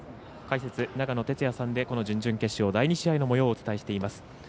解説、長野哲也さんに準々決勝、第２試合の模様をお伝えしています。